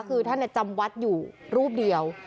คือท่านจำวัดอยู่รูปเดียว